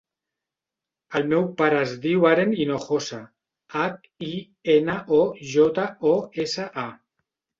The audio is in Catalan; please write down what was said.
El meu pare es diu Aren Hinojosa: hac, i, ena, o, jota, o, essa, a.